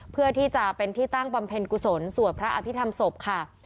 เพื่อที่จะเป็นที่ตั้งบำเพ็ญกุศลสวดพระอภิษฐรรมศพค่ะ